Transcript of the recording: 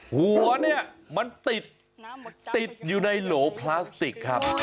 หัวเนี่ยมันติดติดอยู่ในโหลพลาสติกครับ